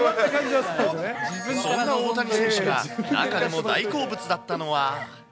そんな大谷選手が、中でも大好物だったのは。